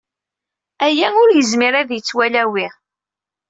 Aya ur yezmir ad yettwalawi!